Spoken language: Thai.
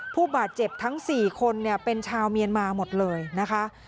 ผู้บาดเจ็บทั้ง๔คนเป็นชาวเมียนมาหมดเลยนะคะ